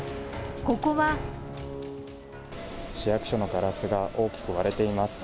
ここは市役所のガラスが大きく割れています。